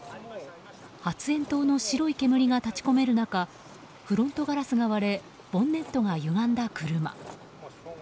発煙筒の白い煙が立ち込める中フロントガラスが割れボンネットがゆがんだ車。